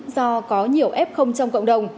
do có nhiều f trong cộng đồng